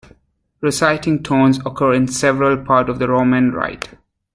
Reciting tones occur in several parts of the Roman Rite.